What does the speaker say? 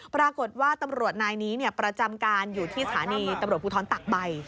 ปรากฏว่าตำรวจนายนี้ประจำการอยู่ที่สถานีตำรวจภูทรตักใบ